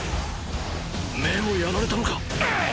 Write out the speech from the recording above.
目をやられたのか⁉ハッ！！